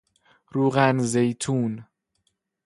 روغن زیتون